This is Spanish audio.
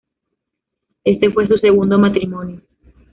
Este fue su segundo matrimonio.